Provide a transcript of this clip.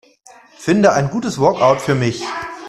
Finde ein gutes Workout für mich.